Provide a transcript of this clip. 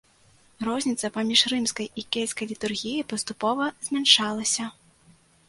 Розніца паміж рымскай і кельцкай літургіяй паступова змяншалася.